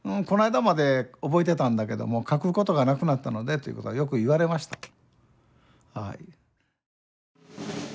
この間まで覚えてたんだけども書くことがなくなったのでということはよく言われました。